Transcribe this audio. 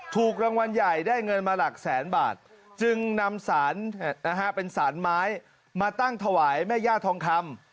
ถูกรางวัลใหญ่ได้เงินมาหลักแสนบาทจึงนำสารเป็นสารไม้มาตั้งถวายแม่ย่าทองคำ